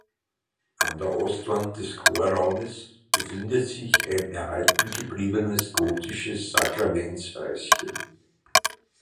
An der Ostwand des Chorraumes befindet sich ein erhalten gebliebenes gotisches Sakramentshäuschen.